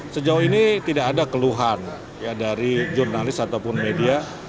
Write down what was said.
sejauh ini tidak ada keluhan dari jurnalis ataupun media